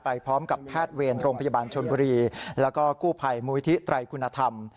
พร้อมกับแพทย์เวรโรงพยาบาลชนบุรีแล้วก็กู้ภัยมูลิธิไตรคุณธรรม